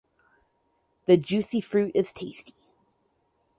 The juicy fruit is tasty.